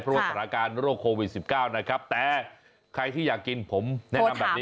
เพราะว่าสถานการณ์โรคโควิด๑๙นะครับแต่ใครที่อยากกินผมแนะนำแบบนี้